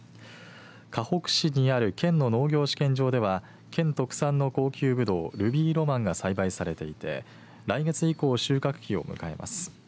かほく市にある県の農業試験場では県特産の高級ぶどうルビーロマンが栽培されていて来月以降、収穫期を迎えます。